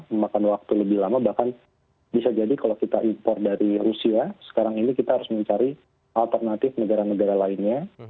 memakan waktu lebih lama bahkan bisa jadi kalau kita impor dari rusia sekarang ini kita harus mencari alternatif negara negara lainnya